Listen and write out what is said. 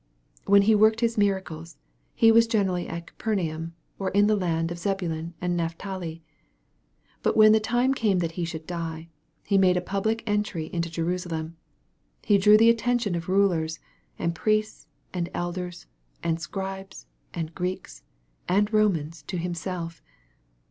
When He worked His miracles, He was generally at Capernaum, or in the land of Zebulon and Napthali. But when the time came that He should die, He made a public entry into Jerusalem. He drew the attention of rulers, and priests, and elders, and Scribes, and Greeks, and Romans to Himself.